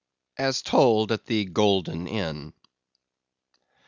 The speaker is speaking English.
(_As told at the Golden Inn.